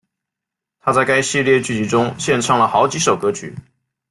她在该系列剧集中献唱了好几首歌曲。